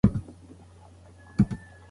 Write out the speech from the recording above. ایا میرویس نیکه به اصفهان ونیسي؟